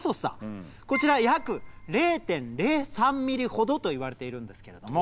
こちら約０．０３ｍｍほどといわれているんですけれども。